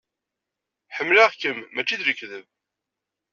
Ḥemmleɣ-kem mačči d lekdeb.